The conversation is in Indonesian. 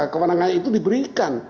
kewenangan itu diberikan